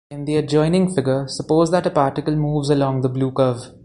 In the adjoining figure, suppose that a particle moves along the blue curve.